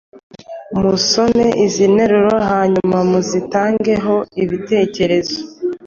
Musome izi nteruro hanyuma muzitangeho ibitekerezo